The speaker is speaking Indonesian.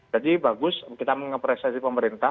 bagus kita mengapresiasi pemerintah